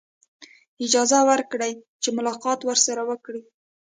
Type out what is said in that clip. اجازه ورکړي چې ملاقات ورسره وکړي.